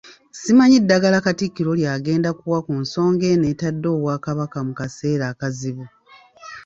Simanyi ddagala Katikkiro ly'agenda kuwa ku nsonga eno etadde Obwakabaka mu kaseera akazibu.